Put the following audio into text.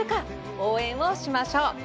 応援をしましょう。